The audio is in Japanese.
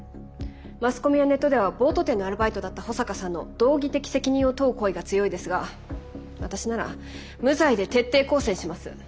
マスコミやネットではボート店のアルバイトだった保坂さんの道義的責任を問う声が強いですが私なら無罪で徹底抗戦します。